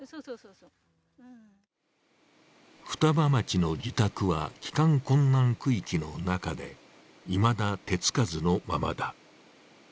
双葉町の自宅は帰還困難区域の中で、いまだ手つかずのままだ。